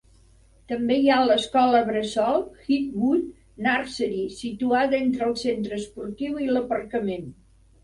També hi ha l'escola bressol Highwood Nursery, situada entre el centre esportiu i l'aparcament.